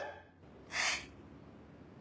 はい。